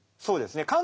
そうですね。